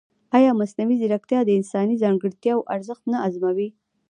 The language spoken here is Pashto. ایا مصنوعي ځیرکتیا د انساني ځانګړتیاوو ارزښت نه ازموي؟